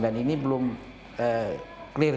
dan ini belum clear